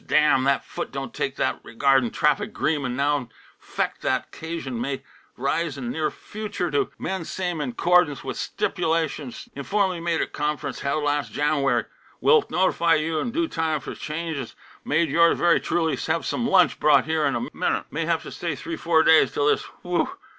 damn that foot don't take that regardin' traffic 'greement now'n 'fect that 'casion may rise 'n near future to 'mend same in 'cordance with stip'lations inform'ly made at conf'rence held las' Janwary will not'fy you 'n due time 'f change is made yours very truly have some lunch brought here 'n a minute may haf' t' stay three four days t'll this Whoo!